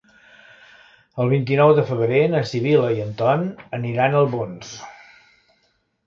El vint-i-nou de febrer na Sibil·la i en Ton aniran a Albons.